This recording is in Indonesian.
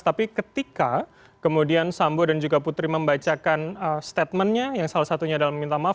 tapi ketika kemudian sambo dan juga putri membacakan statementnya yang salah satunya adalah meminta maaf